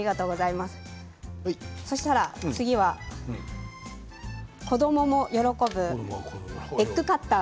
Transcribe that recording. そうしたら次は子どもも喜ぶエッグカッター。